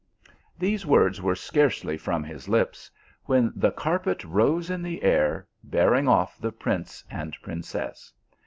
These words were scarcely from his lips, when the carpet rose in the air, bearing off the prince and princess.